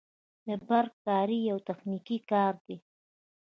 د برق کاري یو تخنیکي کار دی